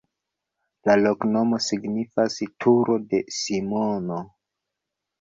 La loknomo signifas: turo de Simono.